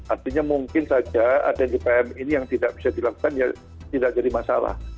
artinya mungkin saja ada di pm ini yang tidak bisa dilakukan ya tidak jadi masalah